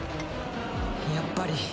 やっぱり。